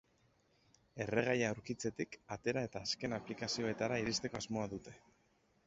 Erregaia aurkitzetik, atera eta azken aplikazioetara iristeko asmoa dute.